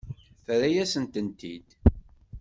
Terra-yasent-tent-id.